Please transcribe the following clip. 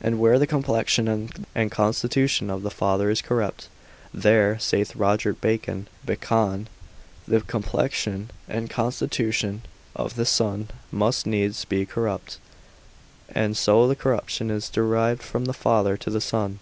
And where the complexion and constitution of the father is corrupt, there (saith Roger Bacon) the complexion and constitution of the son must needs be corrupt, and so the corruption is derived from the father to the son.